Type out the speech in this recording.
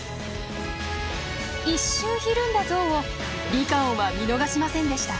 一瞬ひるんだゾウをリカオンは見逃しませんでした。